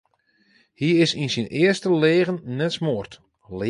Hy is yn syn earste leagen net smoard.